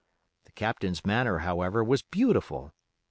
The Captain's manner, however, was beautiful.